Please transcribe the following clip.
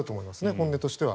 本音としては。